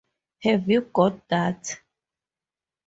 Have you got that?